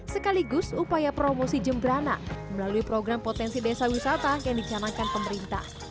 sekaligus upaya promosi jemberana melalui program potensi desa wisata yang dicanangkan pemerintah